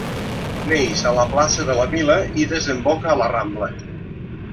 Neix a la plaça de la Vila i desemboca a la Rambla.